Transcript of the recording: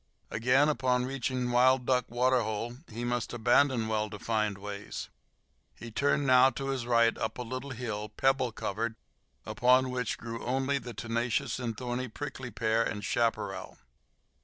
Again, upon reaching Wild Duck Waterhole, must he abandon well defined ways. He turned now to his right up a little hill, pebble covered, upon which grew only the tenacious and thorny prickly pear and chaparral.